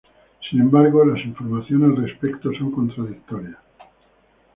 Sin embargo las informaciones al respecto son contradictorias.